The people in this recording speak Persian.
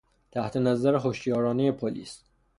تحت نظر هشیارانهی پلیس